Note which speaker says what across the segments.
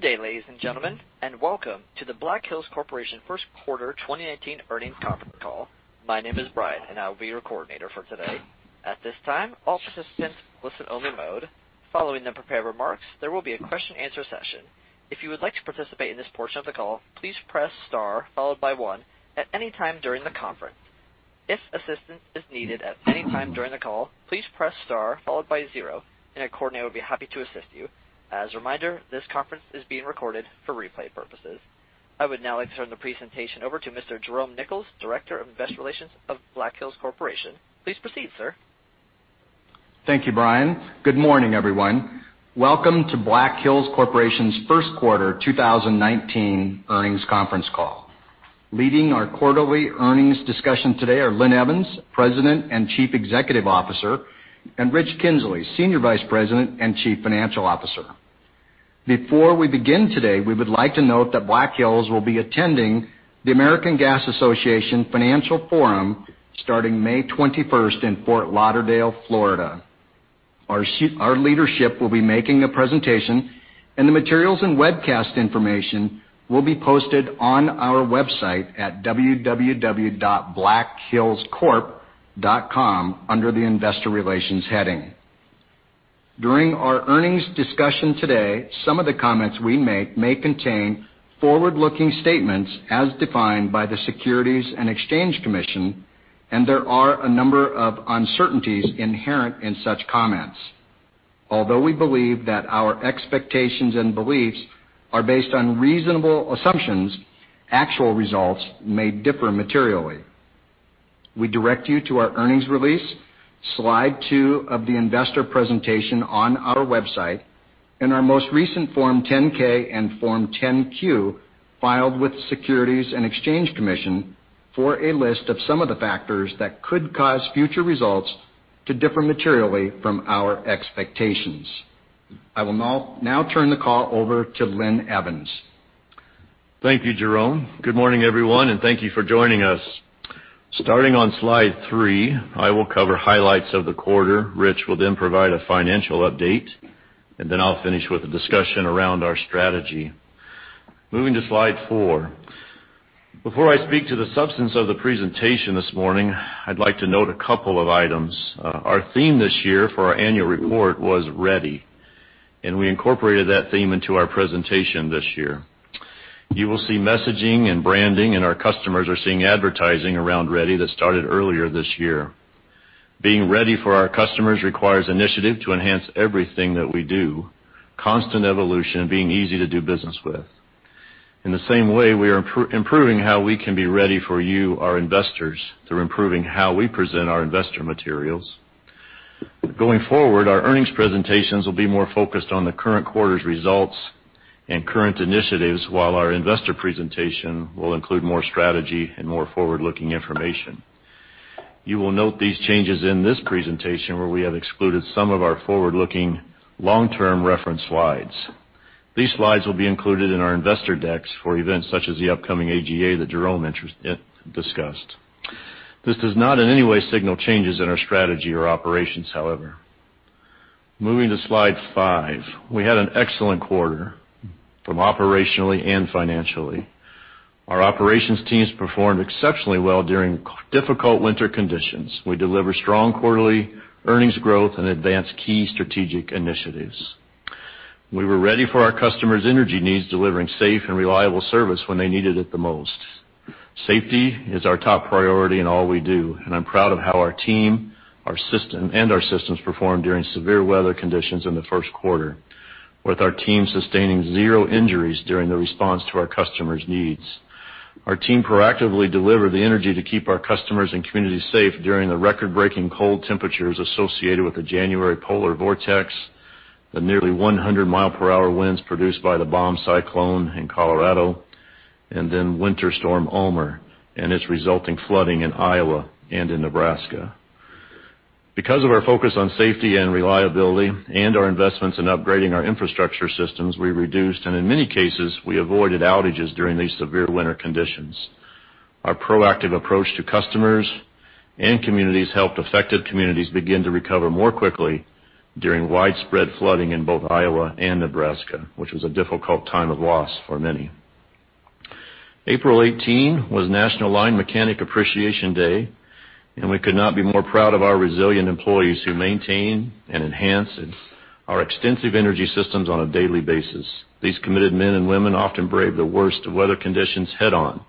Speaker 1: Good day, ladies and gentlemen, and welcome to the Black Hills Corporation First Quarter 2019 Earnings Conference Call. My name is Brian, and I will be your coordinator for today. At this time, all participants are in listen-only mode. Following the prepared remarks, there will be a question-and-answer session. If you would like to participate in this portion of the call, please press star followed by one at any time during the conference. If assistance is needed at any time during the call, please press star followed by zero, and a coordinator will be happy to assist you. As a reminder, this conference is being recorded for replay purposes. I would now like to turn the presentation over to Mr. Jerome Nichols, Director of Investor Relations of Black Hills Corporation. Please proceed, sir.
Speaker 2: Thank you, Brian. Good morning, everyone. Welcome to Black Hills Corporation's First Quarter 2019 Earnings Conference Call. Leading our quarterly earnings discussion today are Linn Evans, President and Chief Executive Officer, and Richard Kinzley, Senior Vice President and Chief Financial Officer. Before we begin today, we would like to note that Black Hills will be attending the American Gas Association Financial Forum starting May 21st in Fort Lauderdale, Florida. Our leadership will be making a presentation, and the materials and webcast information will be posted on our website at www.blackhillscorp.com under the Investor Relations heading. During our earnings discussion today, some of the comments we make may contain forward-looking statements as defined by the Securities and Exchange Commission, and there are a number of uncertainties inherent in such comments. Although we believe that our expectations and beliefs are based on reasonable assumptions, actual results may differ materially. We direct you to our earnings release, slide two of the investor presentation on our website, and our most recent Form 10-K and Form 10-Q filed with the Securities and Exchange Commission for a list of some of the factors that could cause future results to differ materially from our expectations. I will now turn the call over to Linn Evans.
Speaker 3: Thank you, Jerome. Good morning, everyone, and thank you for joining us. Starting on slide three, I will cover highlights of the quarter. Rich will then provide a financial update, and then I'll finish with a discussion around our strategy. Moving to slide four. Before I speak to the substance of the presentation this morning, I'd like to note a couple of items. Our theme this year for our annual report was ready, and we incorporated that theme into our presentation this year. You will see messaging and branding, and our customers are seeing advertising around ready that started earlier this year. Being ready for our customers requires initiative to enhance everything that we do, constant evolution, and being easy to do business with. In the same way, we are improving how we can be ready for you, our investors, through improving how we present our investor materials. Going forward, our earnings presentations will be more focused on the current quarter's results and current initiatives while our investor presentation will include more strategy and more forward-looking information. You will note these changes in this presentation, where we have excluded some of our forward-looking long-term reference slides. These slides will be included in our investor decks for events such as the upcoming AGA that Jerome discussed. This does not in any way signal changes in our strategy or operations, however. Moving to slide five. We had an excellent quarter operationally and financially. Our operations teams performed exceptionally well during difficult winter conditions. We delivered strong quarterly earnings growth and advanced key strategic initiatives. We were ready for our customers' energy needs, delivering safe and reliable service when they needed it the most. Safety is our top priority in all we do, and I'm proud of how our team and our systems performed during severe weather conditions in the first quarter, with our team sustaining zero injuries during the response to our customers' needs. Our team proactively delivered the energy to keep our customers and communities safe during the record-breaking cold temperatures associated with the January polar vortex, the nearly 100 miles per hour winds produced by the bomb cyclone in Colorado, and then Winter Storm Elmer and its resulting flooding in Iowa and Nebraska. Because of our focus on safety and reliability and our investments in upgrading our infrastructure systems, we reduced, and in many cases, we avoided outages during these severe winter conditions. Our proactive approach to customers and communities helped affected communities begin to recover more quickly during widespread flooding in both Iowa and Nebraska, which was a difficult time of loss for many. April 18 was National Lineman Appreciation Day, and we could not be more proud of our resilient employees who maintain and enhance our extensive energy systems on a daily basis. These committed men and women often brave the worst weather conditions head-on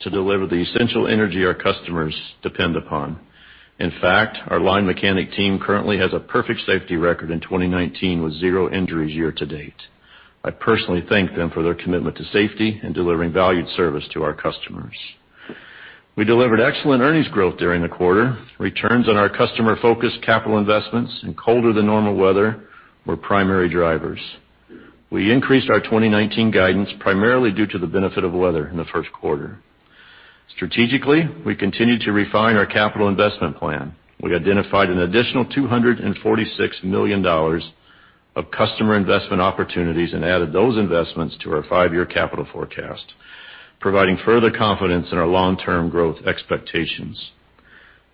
Speaker 3: to deliver the essential energy our customers depend upon. In fact, our lineman team currently has a perfect safety record in 2019 with zero injuries year to date. I personally thank them for their commitment to safety and delivering valued service to our customers. We delivered excellent earnings growth during the quarter. Returns on our customer-focused capital investments and colder than normal weather were primary drivers. We increased our 2019 guidance primarily due to the benefit of weather in the first quarter. Strategically, we continued to refine our capital investment plan. We identified an additional $246 million of customer investment opportunities and added those investments to our five-year capital forecast, providing further confidence in our long-term growth expectations.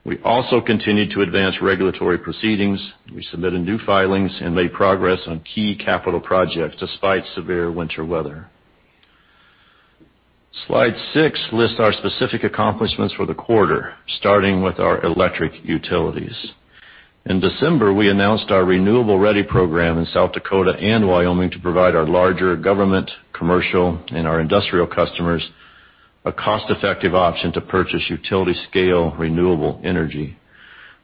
Speaker 3: We also continued to advance regulatory proceedings. We submitted new filings and made progress on key capital projects despite severe winter weather. Slide six lists our specific accomplishments for the quarter, starting with our electric utilities. In December, we announced our Renewable Ready program in South Dakota and Wyoming to provide our larger government, commercial, and our industrial customers a cost-effective option to purchase utility-scale renewable energy.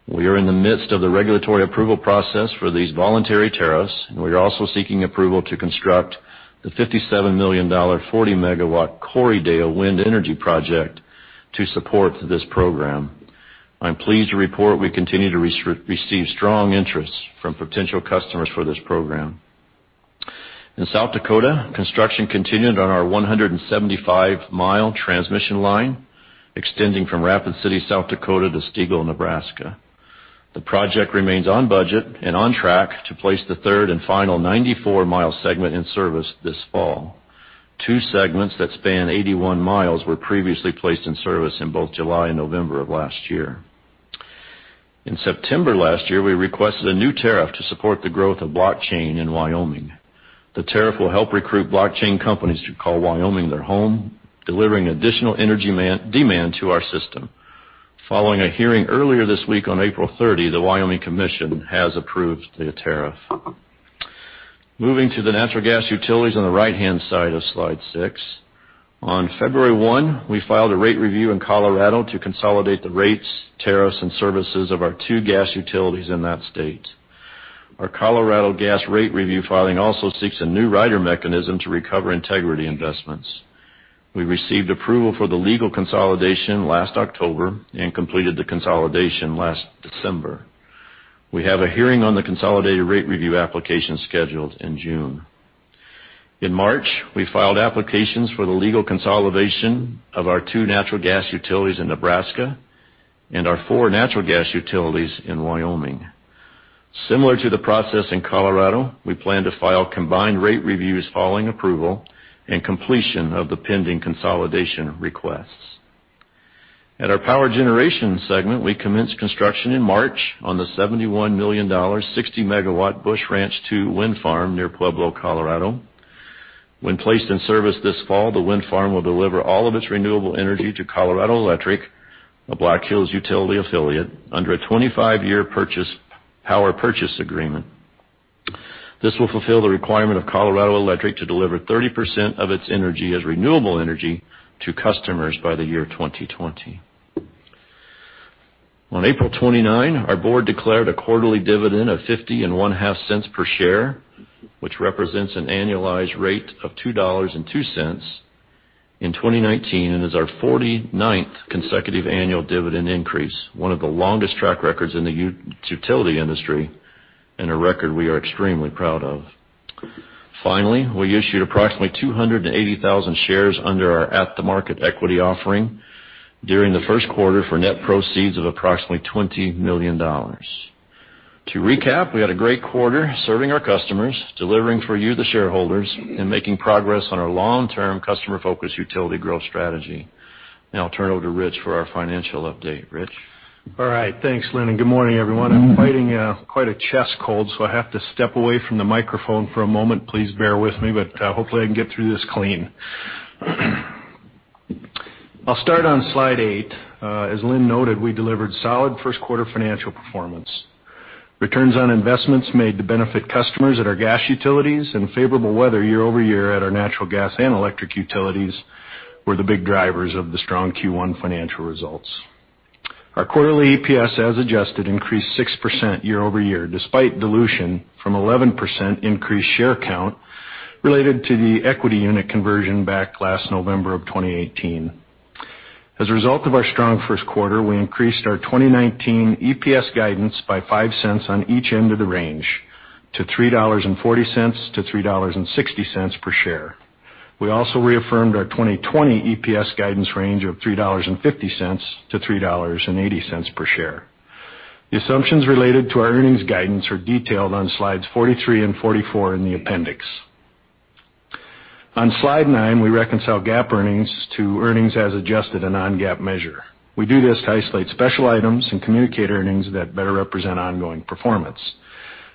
Speaker 3: We are in the midst of the regulatory approval process for these voluntary tariffs. We are also seeking approval to construct the $57 million, 40 MW Corriedale Wind energy project to support this program. I'm pleased to report we continue to receive strong interest from potential customers for this program. In South Dakota, construction continued on our 175 mi transmission line, extending from Rapid City, South Dakota to Stegall, Nebraska. The project remains on budget and on track to place the third and final 94 mi segment in service this fall. Two segments that span 81 mi were previously placed in service in both July and November of last year. In September last year, we requested a new tariff to support the growth of blockchain in Wyoming. The tariff will help recruit blockchain companies to call Wyoming their home, delivering additional energy demand to our system. Following a hearing earlier this week on April 30, the Wyoming Commission has approved the tariff. Moving to the natural gas utilities on the right-hand side of slide six. On February 1, we filed a rate review in Colorado to consolidate the rates, tariffs, and services of our two gas utilities in that state. Our Colorado gas rate review filing also seeks a new rider mechanism to recover integrity investments. We received approval for the legal consolidation last October and completed the consolidation last December. We have a hearing on the consolidated rate review application scheduled in June. In March, we filed applications for the legal consolidation of our two natural gas utilities in Nebraska and our four natural gas utilities in Wyoming. Similar to the process in Colorado, we plan to file combined rate reviews following approval and completion of the pending consolidation requests. At our power generation segment, we commenced construction in March on the $71 million, 60 MW Busch Ranch II wind farm near Pueblo, Colorado. When placed in service this fall, the wind farm will deliver all of its renewable energy to Colorado Electric, a Black Hills utility affiliate, under a 25-year power purchase agreement. This will fulfill the requirement of Colorado Electric to deliver 30% of its energy as renewable energy to customers by the year 2020. On April 29, our board declared a quarterly dividend of 50 and one-half cents per share, which represents an annualized rate of $2.02 in 2019, and is our 49th consecutive annual dividend increase, one of the longest track records in the utility industry, and a record we are extremely proud of. Finally, we issued approximately 280,000 shares under our at-the-market equity offering during the first quarter for net proceeds of approximately $20 million. To recap, we had a great quarter serving our customers, delivering for you, the shareholders, and making progress on our long-term customer-focused utility growth strategy. Now I'll turn it over to Rich for our financial update. Rich?
Speaker 4: All right. Thanks, Linn, good morning, everyone. I'm fighting quite a chest cold, I have to step away from the microphone for a moment. Please bear with me, hopefully, I can get through this clean. I'll start on slide eight. As Linn noted, we delivered solid first quarter financial performance. Returns on investments made to benefit customers at our gas utilities and favorable weather year-over-year at our natural gas and electric utilities were the big drivers of the strong Q1 financial results. Our quarterly EPS, as adjusted, increased 6% year-over-year, despite dilution from 11% increased share count related to the equity unit conversion back last November 2018. As a result of our strong first quarter, we increased our 2019 EPS guidance by $0.05 on each end of the range to $3.40-$3.60 per share. We also reaffirmed our 2020 EPS guidance range of $3.50-$3.80 per share. The assumptions related to our earnings guidance are detailed on slides 43 and 44 in the appendix. On slide nine, we reconcile GAAP earnings to earnings as adjusted a non-GAAP measure. We do this to isolate special items and communicate earnings that better represent ongoing performance.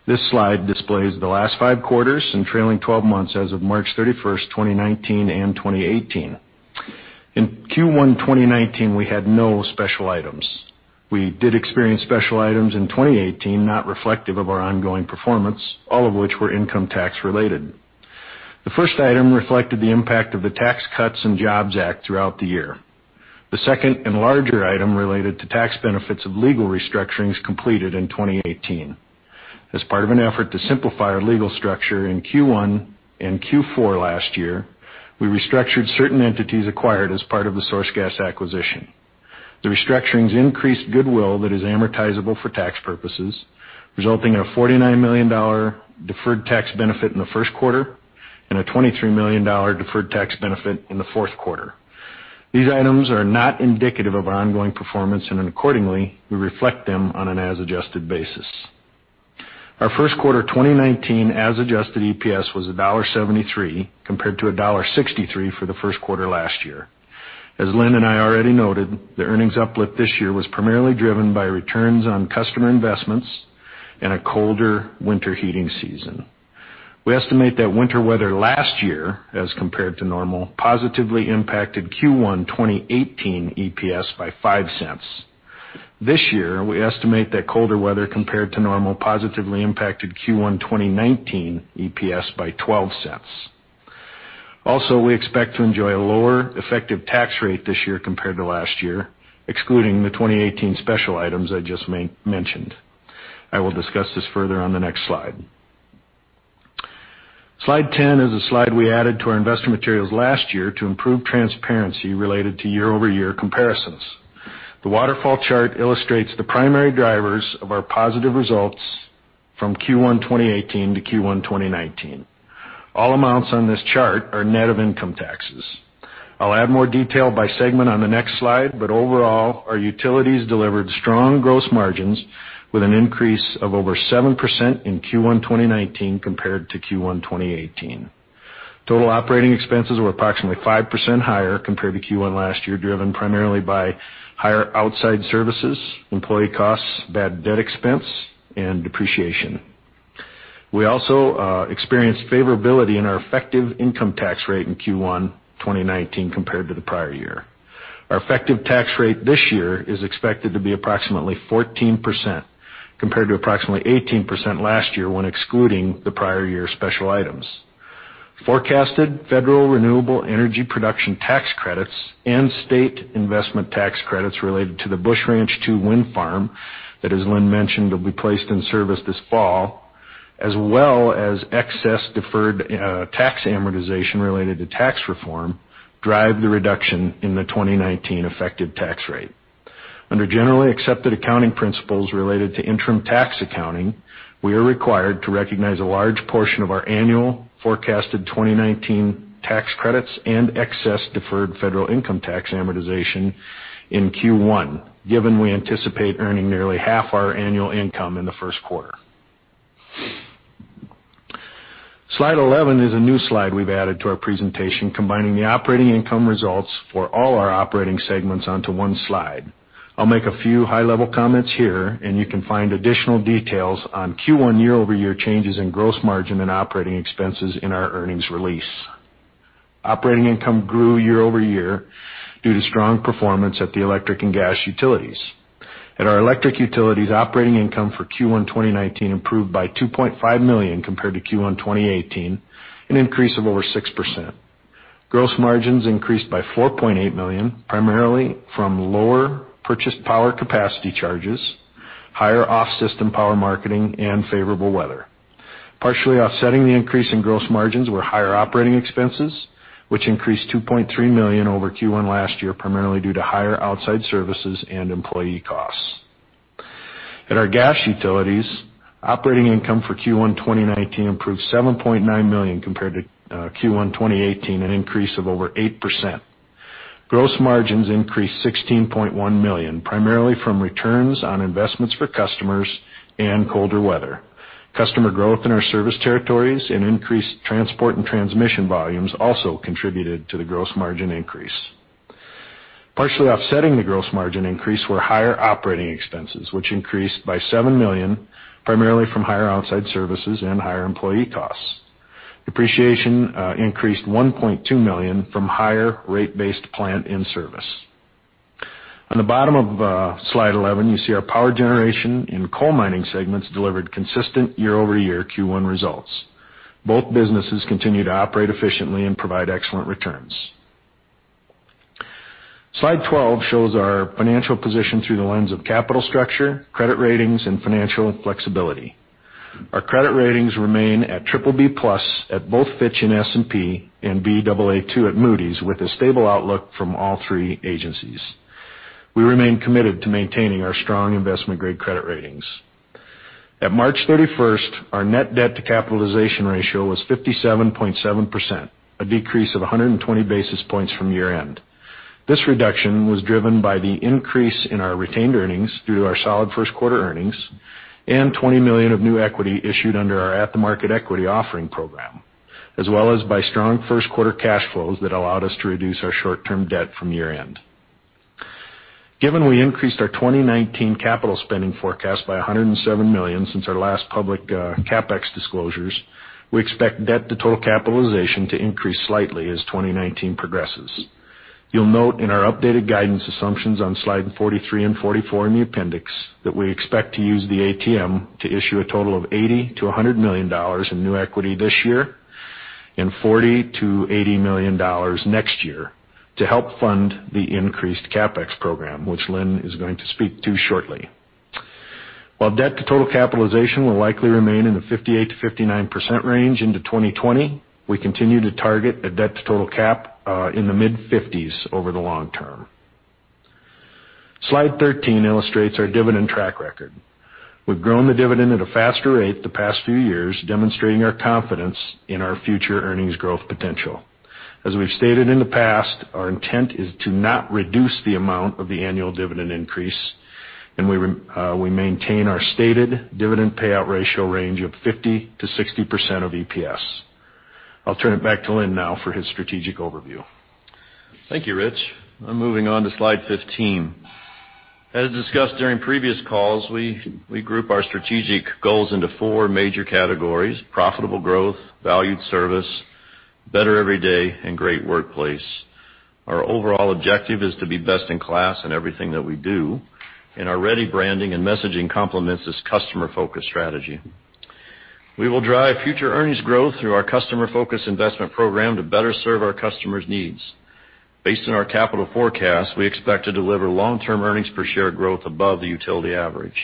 Speaker 4: This slide displays the last five quarters and trailing 12 months as of March 31st, 2019 and 2018. In Q1 2019, we had no special items. We did experience special items in 2018, not reflective of our ongoing performance, all of which were income tax-related. The first item reflected the impact of the Tax Cuts and Jobs Act throughout the year. The second and larger item related to tax benefits of legal restructurings completed in 2018. As part of an effort to simplify our legal structure in Q1 and Q4 last year, we restructured certain entities acquired as part of the SourceGas acquisition. The restructurings increased goodwill that is amortizable for tax purposes, resulting in a $49 million deferred tax benefit in the first quarter and a $23 million deferred tax benefit in the fourth quarter. These items are not indicative of our ongoing performance, and accordingly, we reflect them on an as adjusted basis. Our first quarter 2019 as-adjusted EPS was $1.73, compared to $1.63 for the first quarter last year. As Linn and I already noted, the earnings uplift this year was primarily driven by returns on customer investments and a colder winter heating season. We estimate that winter weather last year, as compared to normal, positively impacted Q1 2018 EPS by $0.05. This year, we estimate that colder weather compared to normal positively impacted Q1 2019 EPS by $0.12. Also, we expect to enjoy a lower effective tax rate this year compared to last year, excluding the 2018 special items I just mentioned. I will discuss this further on the next slide. Slide 10 is a slide we added to our investor materials last year to improve transparency related to year-over-year comparisons. The waterfall chart illustrates the primary drivers of our positive results from Q1 2018 to Q1 2019. All amounts on this chart are net of income taxes. I'll add more detail by segment on the next slide, but overall, our utilities delivered strong gross margins with an increase of over 7% in Q1 2019 compared to Q1 2018. Total operating expenses were approximately 5% higher compared to Q1 last year, driven primarily by higher outside services, employee costs, bad debt expense, and depreciation. We also experienced favorability in our effective income tax rate in Q1 2019 compared to the prior year. Our effective tax rate this year is expected to be approximately 14%, compared to approximately 18% last year when excluding the prior year special items. Forecasted federal renewable energy production tax credits and state investment tax credits related to the Busch Ranch II wind farm that, as Linn mentioned, will be placed in service this fall, as well as excess deferred tax amortization related to tax reform, drive the reduction in the 2019 effective tax rate. Under generally accepted accounting principles related to interim tax accounting, we are required to recognize a large portion of our annual forecasted 2019 tax credits and excess deferred federal income tax amortization in Q1, given we anticipate earning nearly half our annual income in the first quarter. Slide 11 is a new slide we've added to our presentation, combining the operating income results for all our operating segments onto one slide. I'll make a few high-level comments here, and you can find additional details on Q1 year-over-year changes in gross margin and operating expenses in our earnings release. Operating income grew year-over-year due to strong performance at the electric and gas utilities. At our electric utilities, operating income for Q1 2019 improved by $2.5 million compared to Q1 2018, an increase of over 6%. Gross margins increased by $4.8 million, primarily from lower purchased power capacity charges, higher off-system power marketing, and favorable weather. Partially offsetting the increase in gross margins were higher operating expenses, which increased $2.3 million over Q1 last year, primarily due to higher outside services and employee costs. At our gas utilities, operating income for Q1 2019 improved $7.9 million compared to Q1 2018, an increase of over 8%. Gross margins increased $16.1 million, primarily from returns on investments for customers and colder weather. Customer growth in our service territories and increased transport and transmission volumes also contributed to the gross margin increase. Partially offsetting the gross margin increase were higher operating expenses, which increased by $7 million, primarily from higher outside services and higher employee costs. Depreciation increased $1.2 million from higher rate-based plant in service. On the bottom of Slide 11, you see our power generation and coal mining segments delivered consistent year-over-year Q1 results. Both businesses continue to operate efficiently and provide excellent returns. Slide 12 shows our financial position through the lens of capital structure, credit ratings, and financial flexibility. Our credit ratings remain at BBB+ at both Fitch and S&P, and Baa2 at Moody's, with a stable outlook from all three agencies. We remain committed to maintaining our strong investment-grade credit ratings. At March 31st, our net debt to capitalization ratio was 57.7%, a decrease of 120 basis points from year end. This reduction was driven by the increase in our retained earnings through our solid first quarter earnings and $20 million of new equity issued under our at-the-market equity offering program, as well as by strong first quarter cash flows that allowed us to reduce our short-term debt from year end. Given we increased our 2019 capital spending forecast by $107 million since our last public CapEx disclosures, we expect debt to total capitalization to increase slightly as 2019 progresses. You'll note in our updated guidance assumptions on slide 43 and 44 in the appendix that we expect to use the ATM to issue a total of $80 million-$100 million in new equity this year and $40 million-$80 million next year to help fund the increased CapEx program, which Linn is going to speak to shortly. While debt to total capitalization will likely remain in the 58%-59% range into 2020, we continue to target a debt to total cap in the mid-50s over the long term. Slide 13 illustrates our dividend track record. We've grown the dividend at a faster rate the past few years, demonstrating our confidence in our future earnings growth potential. As we've stated in the past, our intent is to not reduce the amount of the annual dividend increase, and we maintain our stated dividend payout ratio range of 50%-60% of EPS. I'll turn it back to Linn now for his strategic overview.
Speaker 3: Thank you, Rich. I'm moving on to slide 15. As discussed during previous calls, we group our strategic goals into four major categories: profitable growth, valued service, better every day, and great workplace. Our overall objective is to be best-in-class in everything that we do, and our ready branding and messaging complements this customer-focused strategy. We will drive future earnings growth through our customer-focused investment program to better serve our customers' needs. Based on our capital forecast, we expect to deliver long-term earnings per share growth above the utility average.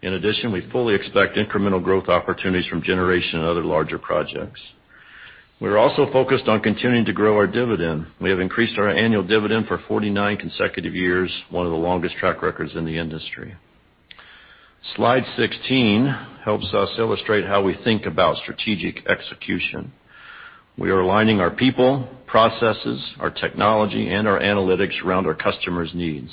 Speaker 3: In addition, we fully expect incremental growth opportunities from generation and other larger projects. We're also focused on continuing to grow our dividend. We have increased our annual dividend for 49 consecutive years, one of the longest track records in the industry. Slide 16 helps us illustrate how we think about strategic execution. We are aligning our people, processes, our technology, and our analytics around our customers' needs.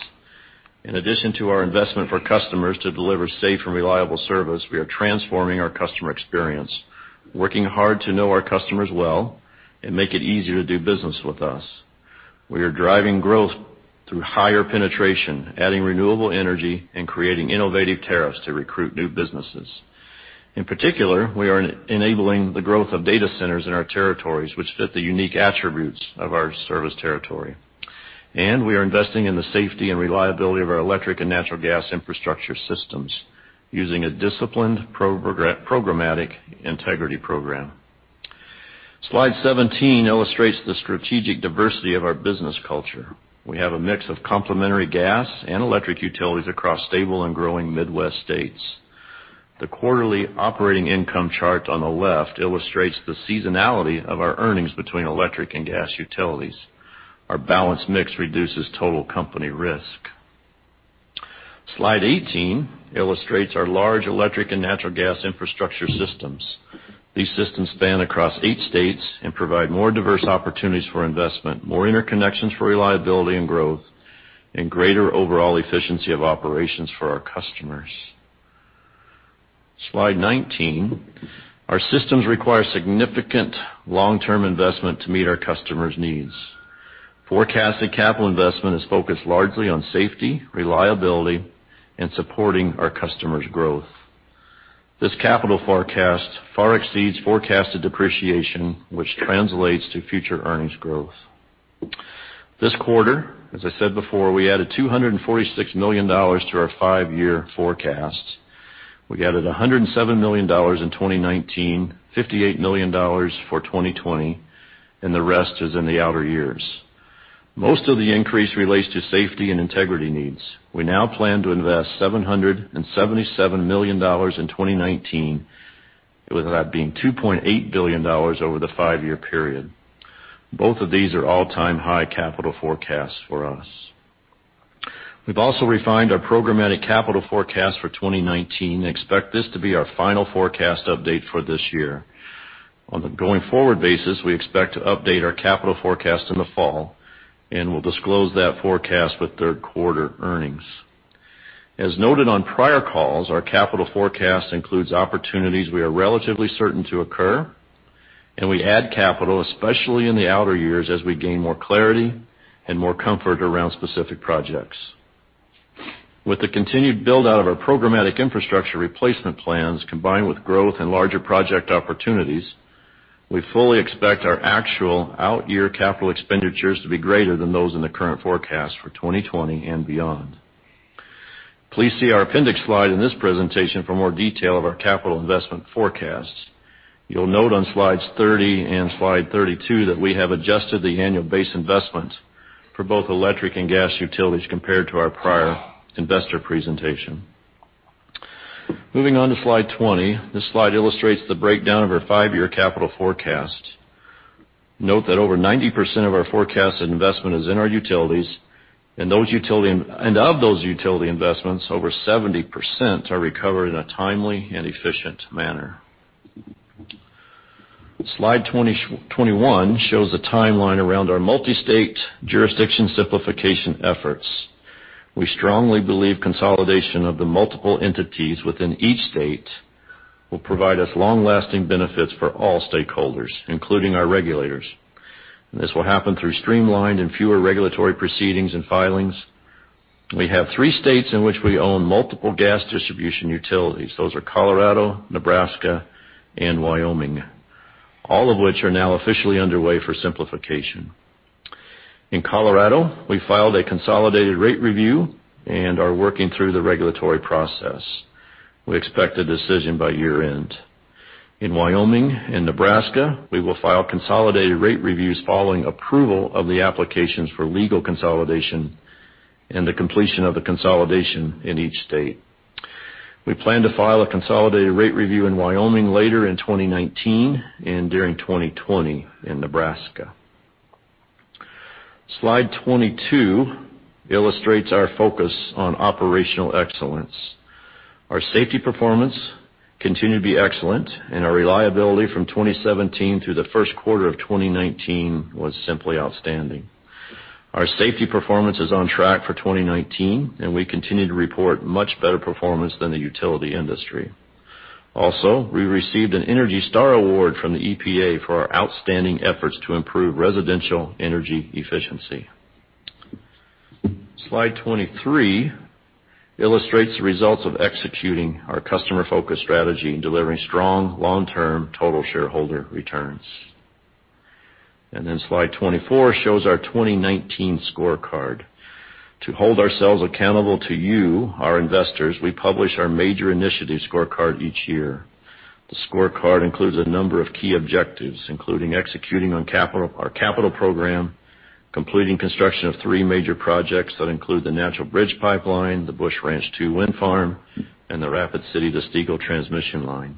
Speaker 3: In addition to our investment for customers to deliver safe and reliable service, we are transforming our customer experience, working hard to know our customers well and make it easier to do business with us. We are driving growth through higher penetration, adding renewable energy, and creating innovative tariffs to recruit new businesses. In particular, we are enabling the growth of data centers in our territories, which fit the unique attributes of our service territory. We are investing in the safety and reliability of our electric and natural gas infrastructure systems using a disciplined programmatic integrity program. Slide 17 illustrates the strategic diversity of our business culture. We have a mix of complementary gas and electric utilities across stable and growing Midwest states. The quarterly operating income chart on the left illustrates the seasonality of our earnings between electric and gas utilities. Our balanced mix reduces total company risk. Slide 18 illustrates our large electric and natural gas infrastructure systems. These systems span across eight states and provide more diverse opportunities for investment, more interconnections for reliability and growth, and greater overall efficiency of operations for our customers. Slide 19. Our systems require significant long-term investment to meet our customers' needs. Forecasted capital investment is focused largely on safety, reliability, and supporting our customers' growth. This capital forecast far exceeds forecasted depreciation, which translates to future earnings growth. This quarter, as I said before, we added $246 million to our five-year forecast. We added $107 million in 2019, $58 million for 2020, and the rest is in the outer years. Most of the increase relates to safety and integrity needs. We now plan to invest $777 million in 2019, with that being $2.8 billion over the five-year period. Both of these are all-time high capital forecasts for us. We've also refined our programmatic capital forecast for 2019 and expect this to be our final forecast update for this year. On the going-forward basis, we expect to update our capital forecast in the fall, and we'll disclose that forecast with third-quarter earnings. As noted on prior calls, our capital forecast includes opportunities we are relatively certain to occur, and we add capital, especially in the outer years, as we gain more clarity and more comfort around specific projects. With the continued build-out of our programmatic infrastructure replacement plans, combined with growth and larger project opportunities, we fully expect our actual out-year capital expenditures to be greater than those in the current forecast for 2020 and beyond. Please see our appendix slide in this presentation for more detail of our capital investment forecasts. You'll note on slides 30 and slide 32 that we have adjusted the annual base investment for both electric and gas utilities compared to our prior investor presentation. Moving on to slide 20. This slide illustrates the breakdown of our five-year capital forecast. Note that over 90% of our forecasted investment is in our utilities, and of those utility investments, over 70% are recovered in a timely and efficient manner. Slide 21 shows a timeline around our multi-state jurisdiction simplification efforts. We strongly believe consolidation of the multiple entities within each state will provide us long-lasting benefits for all stakeholders, including our regulators. This will happen through streamlined and fewer regulatory proceedings and filings. We have three states in which we own multiple gas distribution utilities. Those are Colorado, Nebraska, and Wyoming, all of which are now officially underway for simplification. In Colorado, we filed a consolidated rate review and are working through the regulatory process. We expect a decision by year-end. In Wyoming and Nebraska, we will file consolidated rate reviews following approval of the applications for legal consolidation and the completion of the consolidation in each state. We plan to file a consolidated rate review in Wyoming later in 2019 and during 2020 in Nebraska. Slide 22 illustrates our focus on operational excellence. Our safety performance continued to be excellent, and our reliability from 2017 through the first quarter of 2019 was simply outstanding. Our safety performance is on track for 2019, and we continue to report much better performance than the utility industry. Also, we received an Energy Star award from the EPA for our outstanding efforts to improve residential energy efficiency. Slide 23 illustrates the results of executing our customer-focused strategy in delivering strong long-term total shareholder returns. Slide 24 shows our 2019 scorecard. To hold ourselves accountable to you, our investors, we publish our major initiatives scorecard each year. The scorecard includes a number of key objectives, including executing on our capital program, completing construction of three major projects that include the Natural Bridge pipeline, the Busch Ranch II wind farm, and the Rapid City to Stegall transmission line.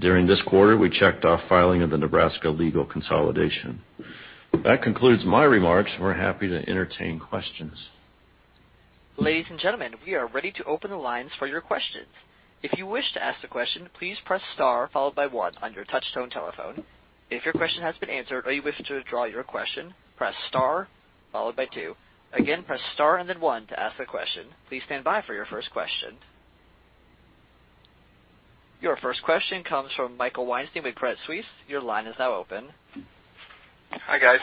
Speaker 3: During this quarter, we checked off filing of the Nebraska legal consolidation. That concludes my remarks. We're happy to entertain questions.
Speaker 1: Ladies and gentlemen, we are ready to open the lines for your questions. If you wish to ask a question, please press star followed by one on your touch-tone telephone. If your question has been answered or you wish to withdraw your question, press star followed by two. Again, press star and then one to ask a question. Please stand by for your first question. Your first question comes from Michael Weinstein with Credit Suisse. Your line is now open.
Speaker 5: Hi, guys.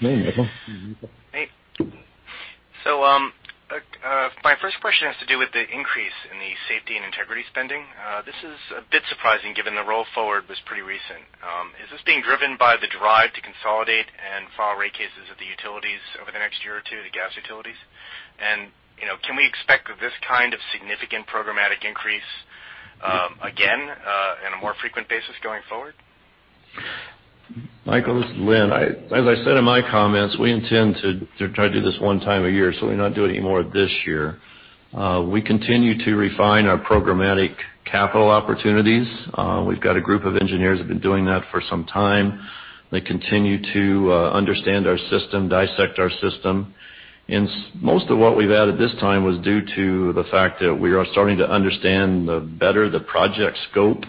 Speaker 3: Hey, Michael.
Speaker 5: Hey. My first question has to do with the increase in the safety and integrity spending. This is a bit surprising given the roll forward was pretty recent. Is this being driven by the drive to consolidate and file rate cases at the utilities over the next year or two, the gas utilities? Can we expect this kind of significant programmatic increase again on a more frequent basis going forward?
Speaker 3: Michael, this is Linn. As I said in my comments, we intend to try to do this one time a year. We'll not do it anymore this year. We continue to refine our programmatic capital opportunities. We've got a group of engineers who have been doing that for some time. They continue to understand our system, dissect our system. Most of what we've added this time was due to the fact that we are starting to understand better the project scope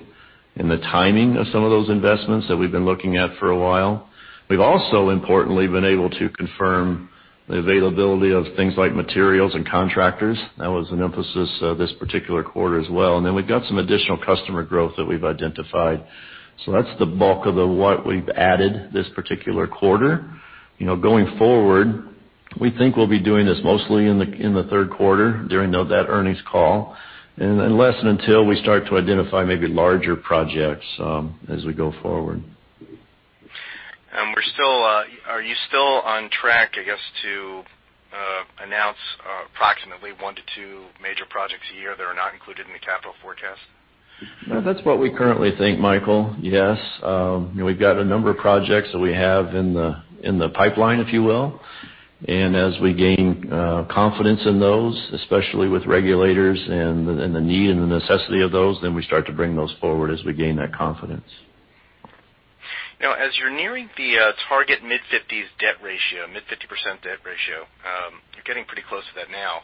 Speaker 3: and the timing of some of those investments that we've been looking at for a while. We've also, importantly, been able to confirm the availability of things like materials and contractors. That was an emphasis this particular quarter as well. We've got some additional customer growth that we've identified. That's the bulk of what we've added this particular quarter. Going forward, we think we'll be doing this mostly in the third quarter during that earnings call, unless and until we start to identify maybe larger projects as we go forward.
Speaker 5: Are you still on track, I guess, to announce approximately one to two major projects a year that are not included in the capital forecast?
Speaker 3: That's what we currently think, Michael. Yes. We've got a number of projects that we have in the pipeline, if you will. As we gain confidence in those, especially with regulators and the need and the necessity of those, then we start to bring those forward as we gain that confidence.
Speaker 5: As you're nearing the target mid-50% debt ratio, you're getting pretty close to that now.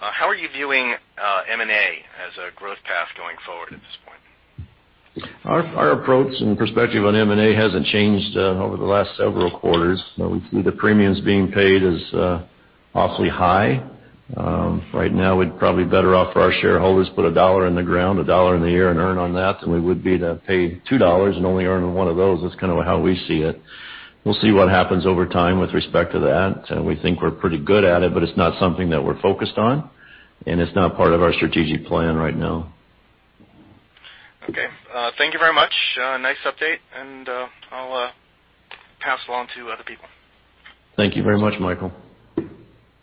Speaker 5: How are you viewing M&A as a growth path going forward at this point?
Speaker 3: Our approach and perspective on M&A hasn't changed over the last several quarters. We see the premiums being paid as awfully high. Right now, we're probably better off for our shareholders, put a dollar in the ground, a dollar in the air, and earn on that, than we would be to pay two dollars and only earn one of those. That's kind of how we see it. We'll see what happens over time with respect to that. We think we're pretty good at it, but it's not something that we're focused on, and it's not part of our strategic plan right now.
Speaker 5: Okay. Thank you very much. Nice update, and I'll pass it along to other people.
Speaker 3: Thank you very much, Michael.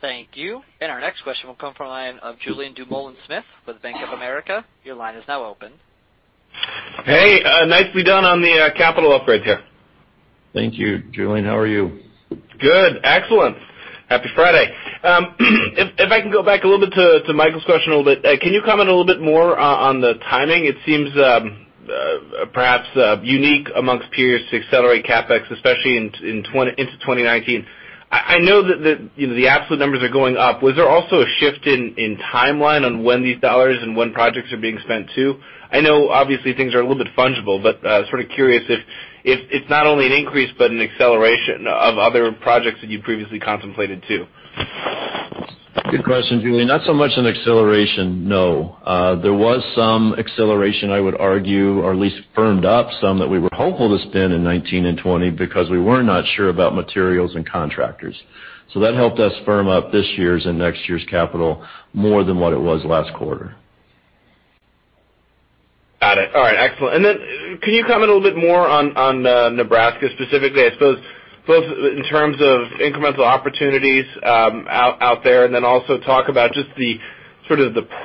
Speaker 1: Thank you. Our next question will come from the line of Julien Dumoulin-Smith with Bank of America. Your line is now open.
Speaker 6: Hey, nicely done on the capital upgrade here.
Speaker 3: Thank you, Julien. How are you?
Speaker 6: Good. Excellent. Happy Friday. If I can go back a little bit to Michael's question a little bit. Can you comment a little bit more on the timing? It seems perhaps unique amongst peers to accelerate CapEx, especially into 2019. I know that the absolute numbers are going up. Was there also a shift in timeline on when these dollars and when projects are being spent too? I know obviously things are a little bit fungible, but sort of curious if it's not only an increase, but an acceleration of other projects that you previously contemplated, too.
Speaker 3: Good question, Julien. Not so much an acceleration, no. There was some acceleration, I would argue, or at least firmed up some that we were hopeful to spend in 2019 and 2020 because we were not sure about materials and contractors. That helped us firm up this year's and next year's capital more than what it was last quarter.
Speaker 6: Got it. All right, excellent. Can you comment a little bit more on Nebraska specifically? I suppose both in terms of incremental opportunities out there, and then also talk about just the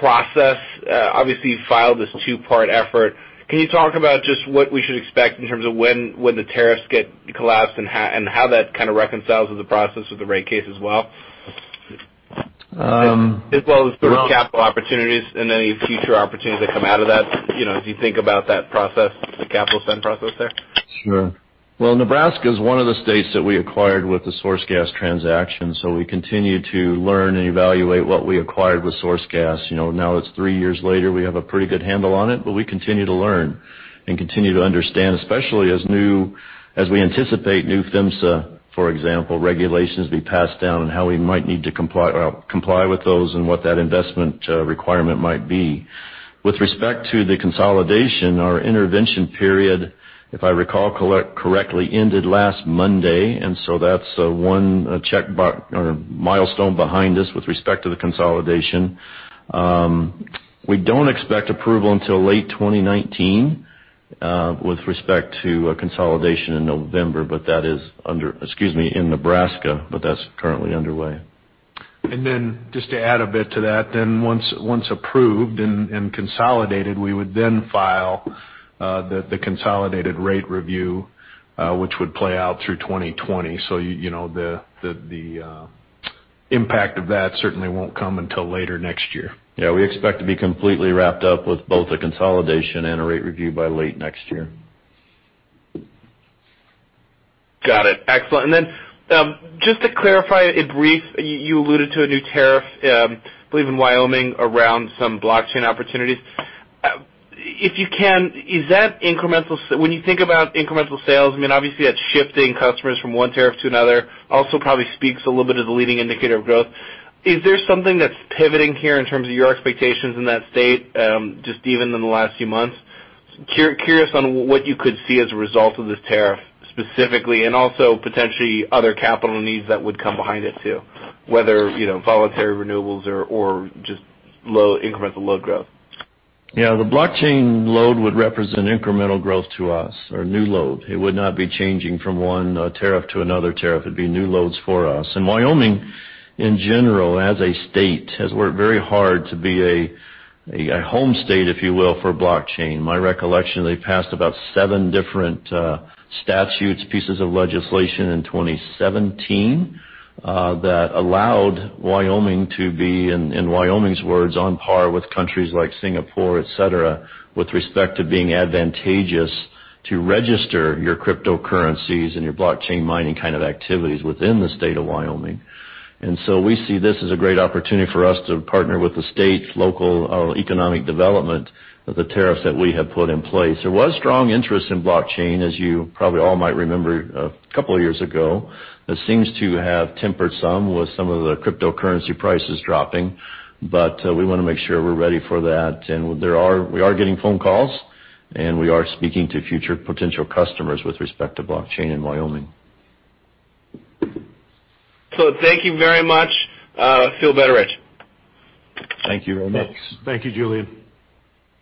Speaker 6: process. Obviously, you filed this two-part effort. Can you talk about just what we should expect in terms of when the tariffs get collapsed and how that kind of reconciles with the process of the rate case as well, as well as sort of capital opportunities and any future opportunities that come out of that, as you think about that process, the capital spend process there?
Speaker 3: Sure. Well, Nebraska is one of the states that we acquired with the SourceGas transaction. We continue to learn and evaluate what we acquired with SourceGas. Now it's three years later, we have a pretty good handle on it, but we continue to learn and continue to understand, especially as we anticipate new PHMSA, for example, regulations be passed down and how we might need to comply with those and what that investment requirement might be. With respect to the consolidation, our intervention period, if I recall correctly, ended last Monday. That's one checkbox or milestone behind us with respect to the consolidation. We don't expect approval until late 2019 with respect to consolidation in November. That is under, excuse me, in Nebraska. That's currently underway.
Speaker 4: Just to add a bit to that, then once approved and consolidated, we would then file the consolidated rate review, which would play out through 2020. The impact of that certainly won't come until later next year.
Speaker 3: Yeah, we expect to be completely wrapped up with both the consolidation and a rate review by late next year.
Speaker 6: Got it. Excellent. Just to clarify it brief, you alluded to a new tariff, I believe in Wyoming, around some blockchain opportunities. If you can, when you think about incremental sales, I mean, obviously that's shifting customers from one tariff to another, also probably speaks a little bit of the leading indicator of growth. Is there something that's pivoting here in terms of your expectations in that state, just even in the last few months? Curious on what you could see as a result of this tariff specifically, and also potentially other capital needs that would come behind it too, whether voluntary renewables or just incremental load growth.
Speaker 3: Yeah, the blockchain load would represent incremental growth to us or new load. It would not be changing from one tariff to another tariff. It'd be new loads for us. Wyoming, in general, as a state, has worked very hard to be a home state, if you will, for blockchain. My recollection, they passed about seven different statutes, pieces of legislation in 2017, that allowed Wyoming to be, in Wyoming's words, on par with countries like Singapore, et cetera, with respect to being advantageous to register your cryptocurrencies and your blockchain mining kind of activities within the state of Wyoming. We see this as a great opportunity for us to partner with the state, local economic development, the tariffs that we have put in place. There was strong interest in blockchain, as you probably all might remember a couple of years ago. It seems to have tempered some with some of the cryptocurrency prices dropping. We want to make sure we're ready for that. We are getting phone calls, and we are speaking to future potential customers with respect to blockchain in Wyoming.
Speaker 6: Thank you very much. Feel better, Rich.
Speaker 3: Thank you very much.
Speaker 4: Thanks. Thank you, Julien.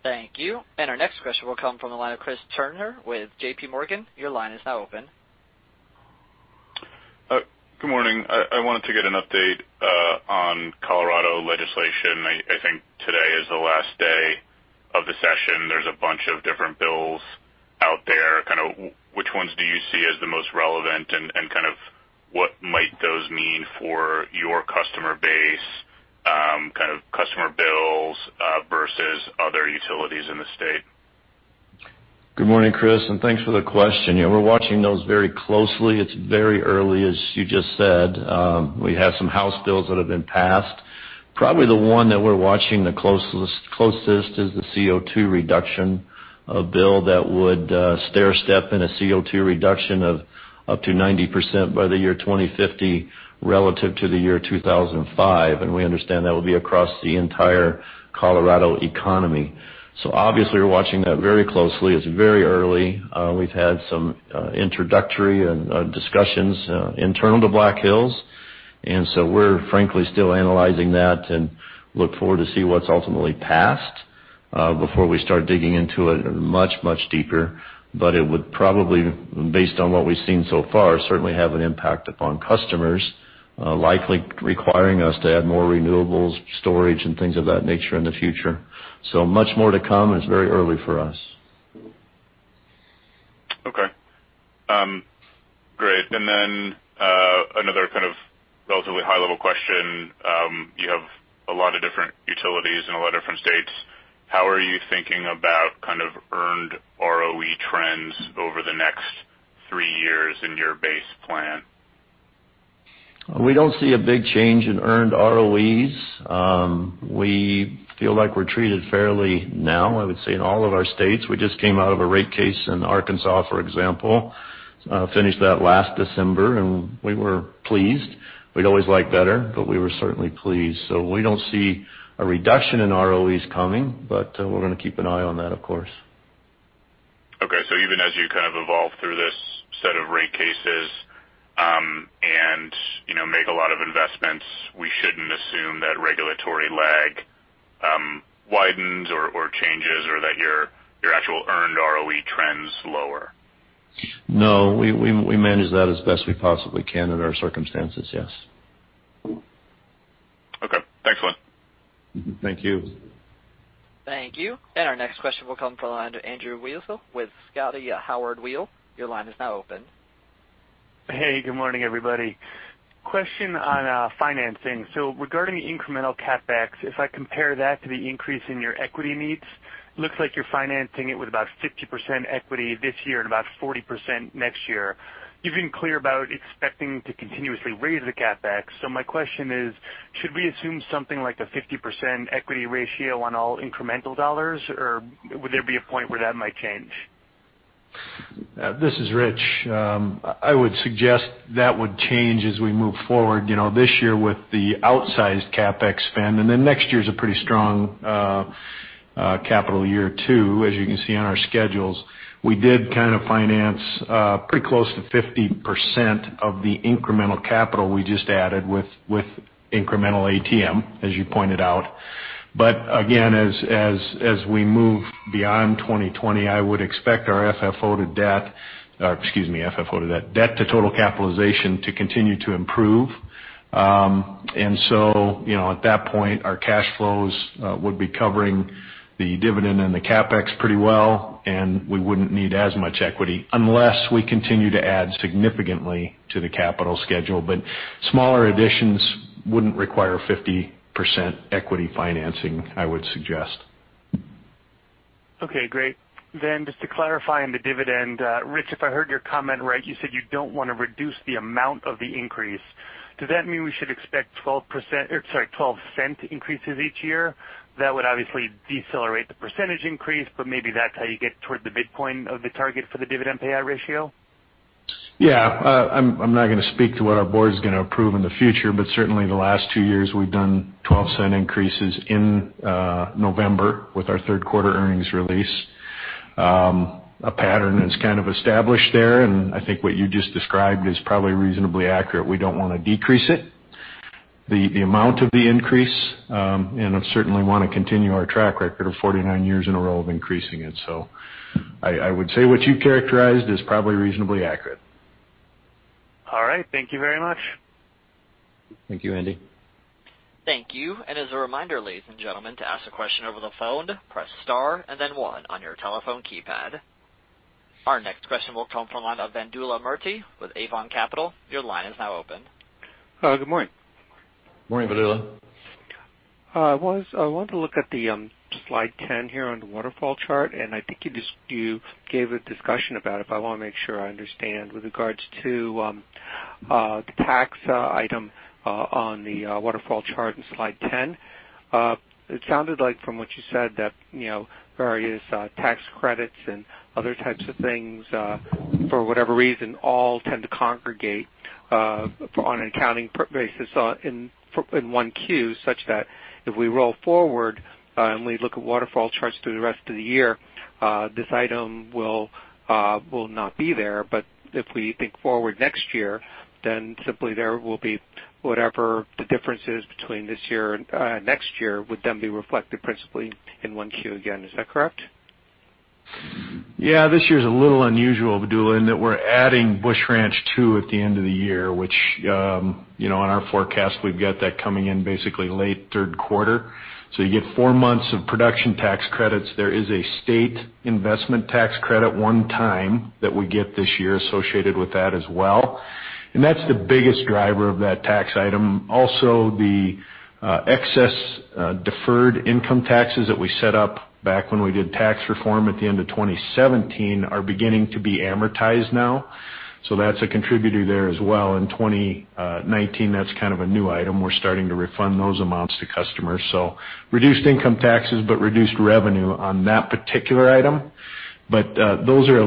Speaker 1: Thank you. Our next question will come from the line of Chris Turner with JPMorgan. Your line is now open.
Speaker 7: Good morning. I wanted to get an update on Colorado legislation. I think today is the last day of the session. There's a bunch of different bills out there. Kind of, which ones do you see as the most relevant, and kind of what might those mean for your customer base, kind of customer bills versus other utilities in the state?
Speaker 3: Good morning, Chris, and thanks for the question. Yeah, we're watching those very closely. It's very early as you just said. We have some House bills that have been passed. Probably the one that we're watching the closest is the CO2 reduction bill that would stairstep in a CO2 reduction of up to 90% by the year 2050 relative to the year 2005. We understand that will be across the entire Colorado economy. Obviously we're watching that very closely. It's very early. We've had some introductory and discussions internal to Black Hills, so we're frankly still analyzing that and look forward to see what's ultimately passed before we start digging into it much, much deeper. It would probably, based on what we've seen so far, certainly have an impact upon customers, likely requiring us to add more renewables, storage, and things of that nature in the future. Much more to come. It's very early for us.
Speaker 7: Okay. Great. Another kind of relatively high-level question. You have a lot of different utilities in a lot of different states. How are you thinking about kind of earned ROE trends over the next three years in your base plan?
Speaker 3: We don't see a big change in earned ROEs. We feel like we're treated fairly now, I would say in all of our states. We just came out of a rate case in Arkansas, for example. Finished that last December, we were pleased. We'd always like better, we were certainly pleased. We don't see a reduction in ROEs coming, but we're going to keep an eye on that, of course.
Speaker 7: Okay, even as you kind of evolve through this set of rate cases, make a lot of investments, we shouldn't assume that regulatory lag widens or changes or that your actual earned ROE trends lower?
Speaker 3: No, we manage that as best we possibly can in our circumstances, yes.
Speaker 7: Okay, excellent.
Speaker 3: Thank you.
Speaker 1: Thank you. Our next question will come from the line of Andrew Weisel with Scotiabank. Your line is now open.
Speaker 8: Hey, good morning, everybody. Question on financing. Regarding the incremental CapEx, if I compare that to the increase in your equity needs, looks like you're financing it with about 50% equity this year and about 40% next year. You've been clear about expecting to continuously raise the CapEx. My question is, should we assume something like a 50% equity ratio on all incremental dollars, or would there be a point where that might change?
Speaker 4: This is Rich. I would suggest that would change as we move forward. This year with the outsized CapEx spend. Next year is a pretty strong capital year, too. As you can see on our schedules, we did finance pretty close to 50% of the incremental capital we just added with incremental ATM, as you pointed out. Again, as we move beyond 2020, I would expect our debt to total capitalization to continue to improve. At that point, our cash flows would be covering the dividend and the CapEx pretty well, and we wouldn't need as much equity unless we continue to add significantly to the capital schedule. Smaller additions wouldn't require 50% equity financing, I would suggest.
Speaker 8: Okay, great. Just to clarify on the dividend, Rich, if I heard your comment right, you said you don't want to reduce the amount of the increase. Does that mean we should expect $0.12 increases each year? That would obviously decelerate the % increase, but maybe that's how you get toward the midpoint of the target for the dividend payout ratio?
Speaker 4: Yeah. I'm not going to speak to what our board's going to approve in the future, but certainly the last two years, we've done $0.12 increases in November with our third quarter earnings release. A pattern is kind of established there, and I think what you just described is probably reasonably accurate. We don't want to decrease it, the amount of the increase, and certainly want to continue our track record of 49 years in a row of increasing it. I would say what you characterized is probably reasonably accurate.
Speaker 8: All right. Thank you very much.
Speaker 4: Thank you, Andy.
Speaker 1: Thank you. As a reminder, ladies and gentlemen, to ask a question over the phone, press star and then one on your telephone keypad. Our next question will come from the line of Vedula Murti with Avon Capital. Your line is now open.
Speaker 9: Good morning.
Speaker 4: Morning, Vedula.
Speaker 9: I wanted to look at slide 10 here on the waterfall chart. I think you gave a discussion about it, but I want to make sure I understand. With regards to the tax item on the waterfall chart in slide 10. It sounded like from what you said that various tax credits and other types of things, for whatever reason, all tend to congregate on an accounting basis in 1 Q, such that if we roll forward and we look at waterfall charts through the rest of the year, this item will not be there. If we think forward next year, simply there will be whatever the difference is between this year and next year would then be reflected principally in 1 Q again. Is that correct?
Speaker 4: Yeah. This year is a little unusual, Vedula, in that we're adding Busch Ranch II at the end of the year, which on our forecast, we've got that coming in basically late third quarter. You get four months of production tax credits. There is a state investment tax credit one-time that we get this year associated with that as well. That's the biggest driver of that tax item. Also, the excess deferred income taxes that we set up back when we did tax reform at the end of 2017 are beginning to be amortized now. That's a contributor there as well. In 2019, that's kind of a new item. We're starting to refund those amounts to customers. Reduced income taxes, but reduced revenue on that particular item. Those are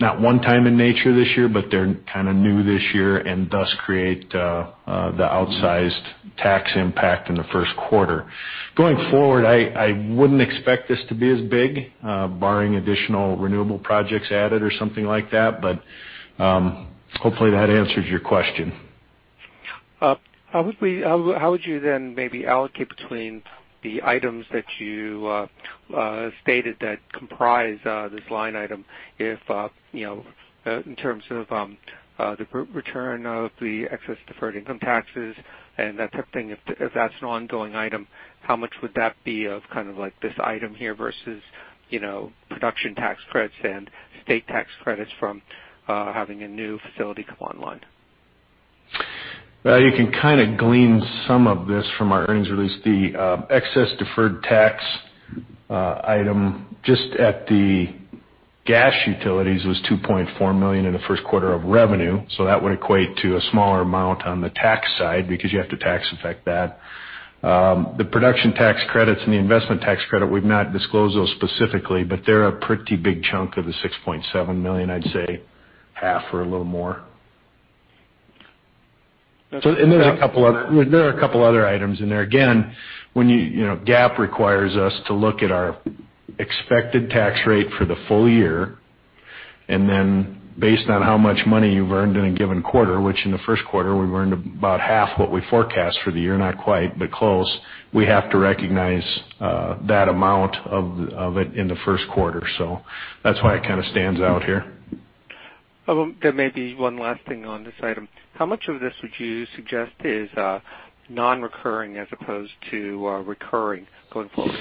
Speaker 4: not one-time in nature this year, but they're kind of new this year and thus create the outsized tax impact in the first quarter. Going forward, I wouldn't expect this to be as big, barring additional renewable projects added or something like that. Hopefully that answers your question.
Speaker 9: How would you then maybe allocate between the items that you stated that comprise this line item if, in terms of the return of the excess deferred income taxes and that type of thing, if that's an ongoing item, how much would that be of this item here versus production tax credits and state tax credits from having a new facility come online?
Speaker 4: You can kind of glean some of this from our earnings release. The excess deferred tax item just at the gas utilities was $2.4 million in the first quarter of revenue. That would equate to a smaller amount on the tax side because you have to tax effect that. The production tax credits and the investment tax credit, we've not disclosed those specifically, but they're a pretty big chunk of the $6.7 million, I'd say. Half or a little more. There are a couple other items in there. Again, GAAP requires us to look at our expected tax rate for the full year, and then based on how much money you've earned in a given quarter, which in the first quarter, we've earned about half what we forecast for the year, not quite, but close. We have to recognize that amount of it in the first quarter. That's why it kind of stands out here.
Speaker 9: There may be one last thing on this item. How much of this would you suggest is non-recurring as opposed to recurring going forward?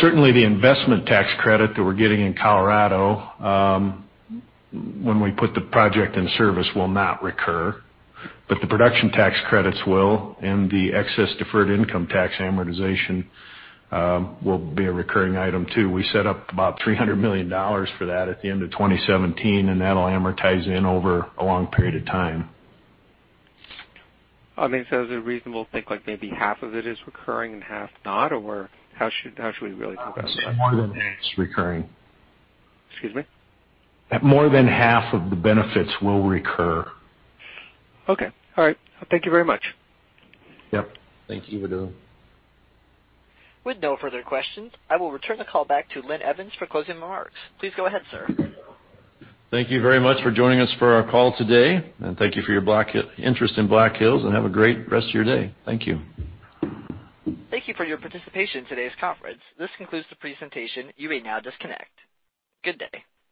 Speaker 4: Certainly the investment tax credit that we're getting in Colorado when we put the project in service will not recur. The production tax credits will, and the excess deferred income tax amortization will be a recurring item, too. We set up about $300 million for that at the end of 2017, and that'll amortize in over a long period of time.
Speaker 9: Is it reasonable to think maybe half of it is recurring and half not? Or how should we really think about that?
Speaker 4: I would say more than half is recurring.
Speaker 9: Excuse me?
Speaker 4: More than half of the benefits will recur.
Speaker 9: Okay. All right. Thank you very much.
Speaker 4: Yep. Thank you, Vedula.
Speaker 1: With no further questions, I will return the call back to Linn Evans for closing remarks. Please go ahead, sir.
Speaker 3: Thank you very much for joining us for our call today, and thank you for your interest in Black Hills, and have a great rest of your day. Thank you.
Speaker 1: Thank you for your participation in today's conference. This concludes the presentation. You may now disconnect. Good day.